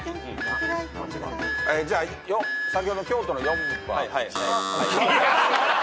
じゃあ先ほどの京都の４番。